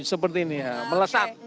seperti ini ya melesat